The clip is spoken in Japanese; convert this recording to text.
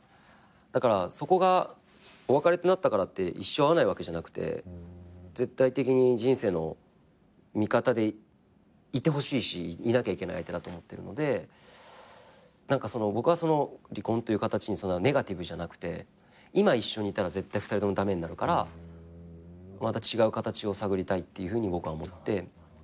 だからそこがお別れってなったからって一生会わないわけじゃなくて絶対的に人生の味方でいてほしいしいなきゃいけない相手だと思ってるので僕はその離婚という形にそんなネガティブじゃなくて今一緒にいたら絶対２人とも駄目になるからまた違う形を探りたいっていうふうに僕は思って。